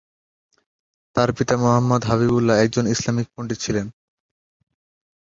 তার পিতা মুহাম্মদ হাবিবুল্লাহ একজন ইসলামি পণ্ডিত ছিলেন।